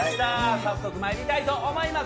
早速、参りたいと思います。